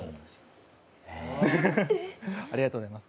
ありがとうございます。